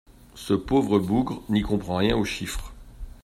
Ce pauvre bougre n'y comprend rien aux chiffres...